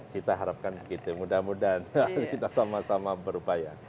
kita harapkan begitu mudah mudahan kita sama sama berupaya